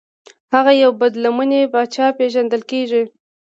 هغه یو بد لمنی پاچا پیژندل کیږي.